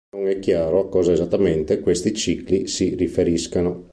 Non è chiaro a cosa, esattamente, questi "cicli" si riferiscano.